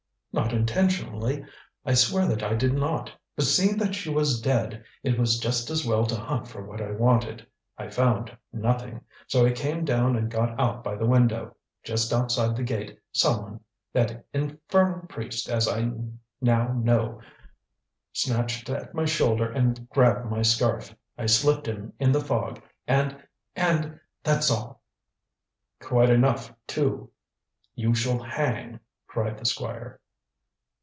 "Not intentionally. I swear that I did not. But seeing that she was dead, it was just as well to hunt for what I wanted. I found nothing, so I came down and got out by the window. Just outside the gate someone that infernal priest as I now know snatched at my shoulder and grabbed my scarf. I slipped him in the fog and and that's all." "Quite enough too. You shall hang," cried the Squire.